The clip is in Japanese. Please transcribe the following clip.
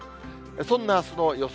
そんなあすの予想